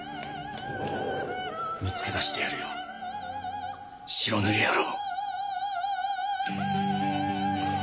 見つけ出してやるよ白塗り野郎。